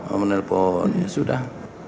oh menelpon ya sudah